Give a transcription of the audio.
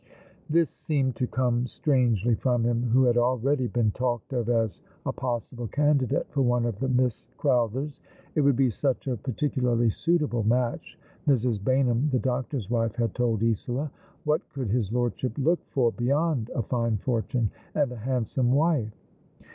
,' This seemed to come strangely from him who had already been talked of as a possible candidate for one of the Miss Crowthers. It would be such a particularly suitable match, Mrs. Baynham, the doctor's wife, had told Isola. What could his lordship look for beyond a fine fortune and a hand so ne wife?